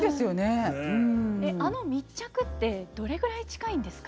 あの密着ってどれぐらい近いんですか？